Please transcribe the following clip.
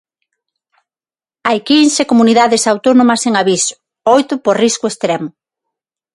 Hai quince comunidades autónomas en aviso, oito por risco extremo.